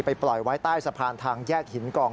ปล่อยไว้ใต้สะพานทางแยกหินกอง